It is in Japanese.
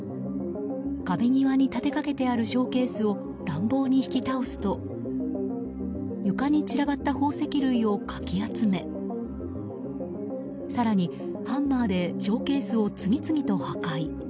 壁際に立てかけてあるショーケースを乱暴に引き倒すと床に散らばった宝石類をかき集め更に、ハンマーでショーケースを次々と破壊。